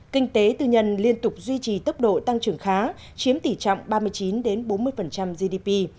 kinh tế tư nhân liên tục duy trì tốc độ tăng trưởng khá chiếm tỷ trọng ba mươi chín bốn mươi gdp